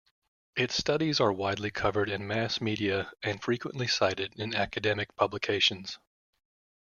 Its studies are widely covered in mass media and frequently cited in academic publications.